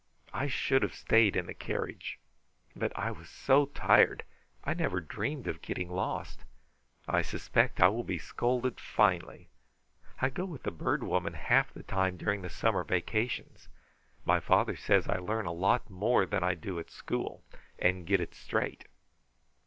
I should have stayed in the carriage, but I was so tired. I never dreamed of getting lost. I suspect I will be scolded finely. I go with the Bird Woman half the time during the summer vacations. My father says I learn a lot more than I do at school, and get it straight.